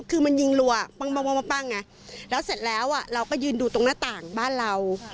คือมันยิงรัวปั้งไงแล้วเสร็จแล้วเราก็ยืนดูตรงหน้าต่างบ้านเรา